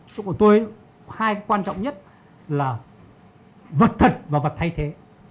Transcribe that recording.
của tôi hai cái quan trọng nhất là vật thật và vật thay thế